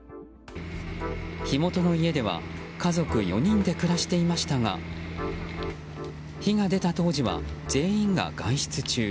火元の家では家族４人で暮らしていましたが火が出た当時は全員が外出中。